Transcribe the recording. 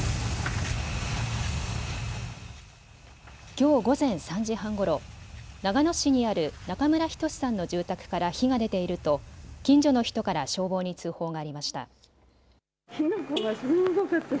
きょう午前３時半ごろ、長野市にある中村均さんの住宅から火が出ていると近所の人から消防に通報がありました。